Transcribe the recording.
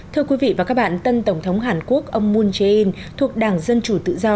thưa quý vị và các bạn tân tổng thống hàn quốc ông moon jae in thuộc đảng dân chủ tự do